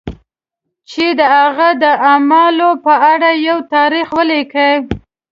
چې د هغه د اعمالو په اړه یو تاریخ ولیکي.